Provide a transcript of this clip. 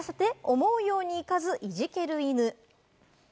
思うようにいかず、いじける犬。